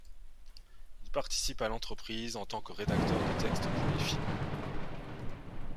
Il participe à l'entreprise en tant que rédacteur de textes pour les films.